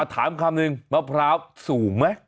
ถามคำนึงมะพร้าวสูงไหม